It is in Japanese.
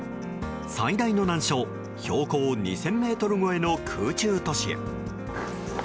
最大の難所標高２０００ｍ超えの空中都市へ。